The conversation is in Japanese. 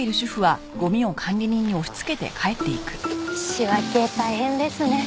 仕分け大変ですね。